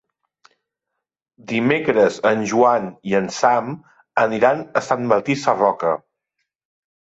Dimecres en Joan i en Sam aniran a Sant Martí Sarroca.